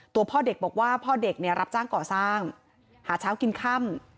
พ่อเด็กบอกว่าพ่อเด็กเนี่ยรับจ้างก่อสร้างหาเช้ากินค่ำ